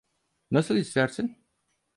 Nasıl istersin?